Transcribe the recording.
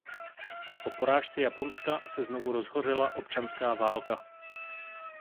Po porážce Japonska se znovu rozhořela občanská válka.